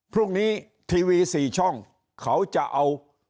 พรุ่งนี้ทีวี๔ช่องเขาจะเอา